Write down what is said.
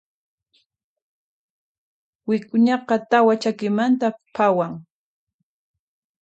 Wik'uñaqa tawa chakimanta phawan.